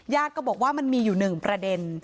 ก็บอกว่ามันมีอยู่หนึ่งประเด็น